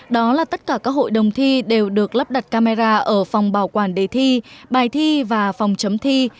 đó là tất cả các hội đồng thi đều được lắp đặt camera ở phòng bảo quản đề thi bài thi và phòng chấm thi